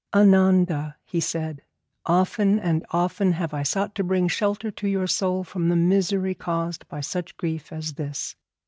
'Ananda,' he said, 'often and often have I sought to bring shelter to your soul from the misery caused by such grief as this.